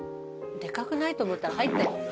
でかくない？と思ったら入ったよ。